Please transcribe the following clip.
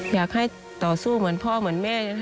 อยากให้ต่อสู้เหมือนพ่อเหมือนแม่